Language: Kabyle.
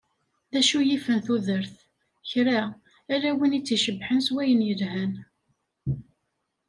D acu yifen tudert? Kra! Ala win i tt-icebḥen s wayen yelhan.